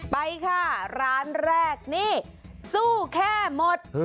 ไปค่ะร้านแรกนี่สู้แค่หมด